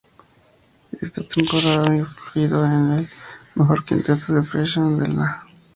Esa temporada fue incluido en el mejor quinteto "freshman" de la Missouri Valley Conference.